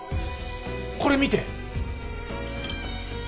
これ見て。